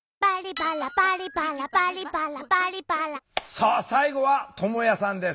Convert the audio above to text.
さあ最後はともやさんです。